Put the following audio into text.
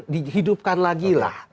dihidupkan lagi lah